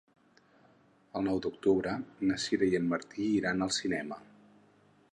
El nou d'octubre na Sira i en Martí iran al cinema.